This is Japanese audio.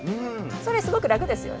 それすごく楽ですよね。